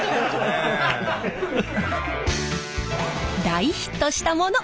大ヒットしたもの。